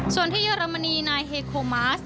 ส่วนที่เยอรมนีนายเฮโคมาส